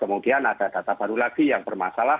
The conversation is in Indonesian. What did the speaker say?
kemudian ada data baru lagi yang bermasalah